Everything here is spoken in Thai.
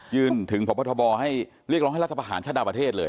ถึงพบทบให้เรียกร้องให้รัฐประหารชะดาวประเทศเลย